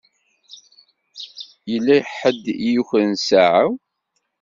Yella ḥedd i yukren ssaɛa-w.